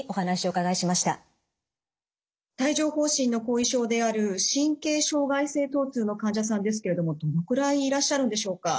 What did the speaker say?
帯状ほう疹の後遺症である神経障害性とう痛の患者さんですけれどもどのくらいいらっしゃるんでしょうか。